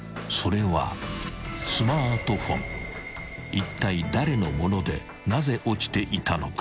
［いったい誰のものでなぜ落ちていたのか］